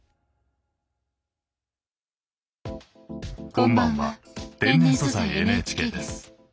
こんばんは「天然素材ＮＨＫ」です。